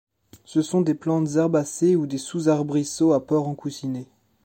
Ce sont des plantes herbacées ou des sous-arbrisseaux à port en coussinet.